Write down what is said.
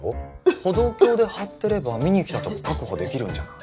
歩道橋で張ってれば見に来たとこ確保できるんじゃない？